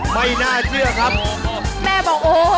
ให้มาเซียนดอกมาบาก